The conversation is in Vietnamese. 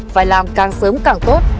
phải làm càng sớm càng tốt